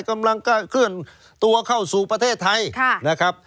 กำลังกล้าเคลื่อนตัวเข้าสู่ประเทศไทย